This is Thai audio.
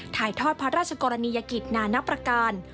ถ่ายทอดพระราชกรณียกิจนานับประการ